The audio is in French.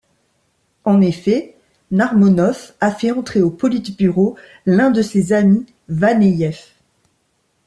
En effet, Narmonov a fait entrer au Politburo l'un de ses amis, Vaneyev.